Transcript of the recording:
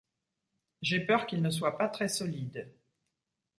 J'ai peur qu'il ne soit pas très solide.